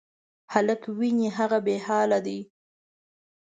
هلک وینې، هغه بېحاله دی.